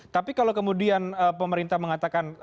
tapi kalau kemudian pemerintah mengatakan